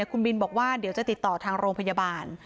คุณบินบอกว่าเดี๋ยวจะติดต่อทางโรงพยาบาล